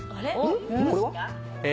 これは？